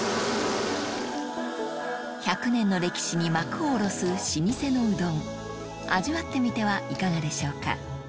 １００年の歴史に幕を下ろす老舗のうどん味わってみてはいかがでしょうか？